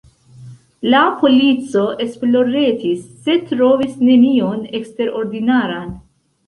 La polico esploretis, sed trovis nenion eksterordinaran.